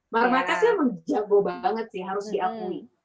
mark marqueznya menjago banget sih harus diakui